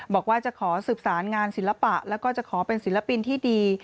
บอกว่าจะขอสืบสารงานศิลปะแล้วก็จะขอเป็นศิลปินที่ดี